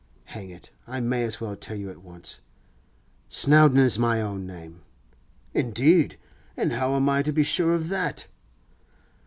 'Hang it! I may as well tell you at once. Snowdon is my own name.' 'Indeed? And how am I to be sure of that?